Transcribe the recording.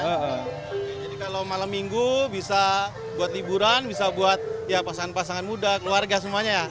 jadi kalau malam minggu bisa buat liburan bisa buat pasangan pasangan muda keluarga semuanya ya